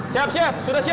siap siap sudah siap